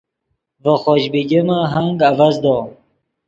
ڤے خوش بیگمے ہنگ اڤزدو